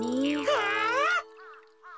はあ！？